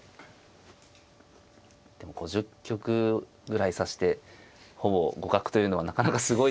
でも５０局ぐらい指してほぼ互角というのはなかなかすごいですね。